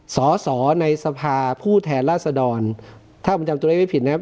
สอสอในสภาผู้แทนราษฎรถ้าผมจำตัวเลขไม่ผิดนะครับ